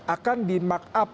akan di mark up